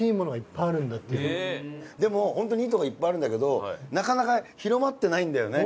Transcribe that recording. でもホントにいい所いっぱいあるんだけどなかなか広まってないんだよね。